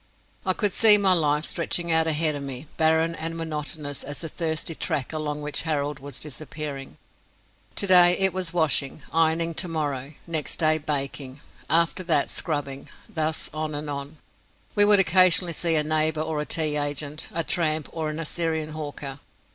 I could see my life, stretching out ahead of me, barren and monotonous as the thirsty track along which Harold was disappearing. Today it was washing, ironing tomorrow, next day baking, after that scrubbing thus on and on. We would occasionally see a neighbour or a tea agent, a tramp or an Assyrian hawker.